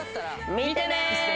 見てね！